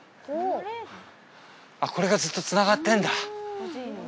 これがずっとつながってんだ。